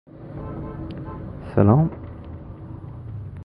به سخنان او چندان اعتماد ندارم.